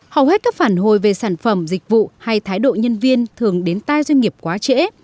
hầu hết các phản hồi về sản phẩm dịch vụ hay thái độ nhân viên thường đến tay doanh nghiệp quá trễ